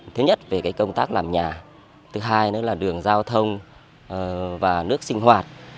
thứ nhất về công tác làm nhà thứ hai nữa là đường giao thông và nước sinh hoạt